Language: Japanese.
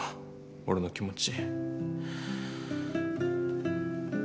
俺の気持ち。